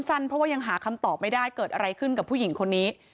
สั้นเพราะว่ายังหาคำตอบไม่ได้เกิดอะไรขึ้นกับผู้หญิงคนนี้